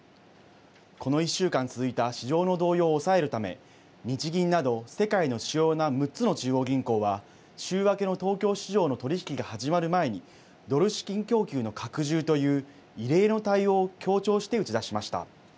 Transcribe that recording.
この１週間続いた市場の動揺を抑えるため、日銀など世界の主要な６つの中央銀行は週明けの東京市場の取り引きが始まる前にドル資金供給の拡充という異例の対応を協調して打ち出しました。